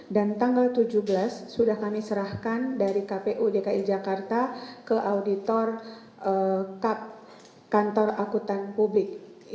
dan tanggal tujuh belas sudah kami serahkan dari kpu dki jakarta ke auditor kantor akutan publik